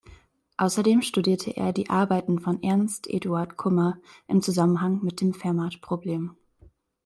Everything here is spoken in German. Außerdem studierte er die Arbeiten von Ernst Eduard Kummer im Zusammenhang mit dem Fermat-Problem.